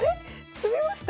詰みました？